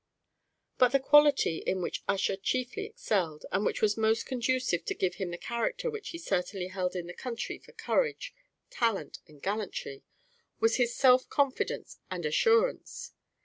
But the quality in which Ussher chiefly excelled, and which was most conducive to give him the character which he certainly held in the country for courage, talent, and gallantry, was his self confidence and assurance.